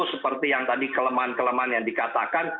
seperti yang tadi kelemahan kelemahan yang dikatakan